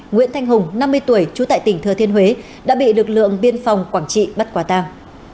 nguyễn thanh hùng năm mươi tuổi trú tại tỉnh thừa thiên huế đã bị lực lượng biên phòng quảng trị bắt quả tàng